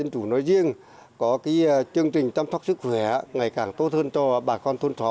chương trình chăm sóc sức khỏe ngày càng tốt hơn cho bà con thôn thọ